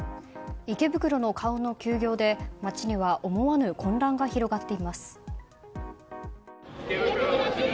池袋の顔の休業で、街には思わぬ混乱が広がっています。